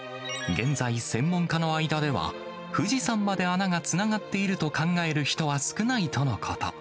現在、専門家の間では、富士山まで穴がつながっていると考える人は少ないとのこと。